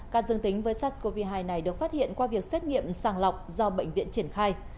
ca dương tính với sars cov hai này được phát hiện qua việc xét nghiệm sàng lọc do bệnh viện triển khai